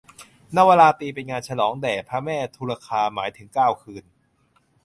นวราตรี เป็นงานฉลองแด่พระแม่ทุรคา หมายถึงเก้าคืน